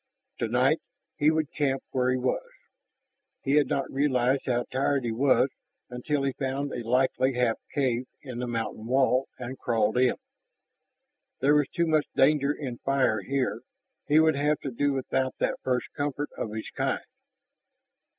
Tonight he would camp where he was. He had not realized how tired he was until he found a likely half cave in the mountain wall and crawled in. There was too much danger in fire here; he would have to do without that first comfort of his kind.